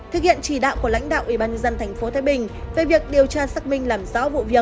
thực hiện chỉ đạo của lãnh đạo ủy ban nhân dân tp thái bình về việc điều tra xác minh làm rõ vụ việc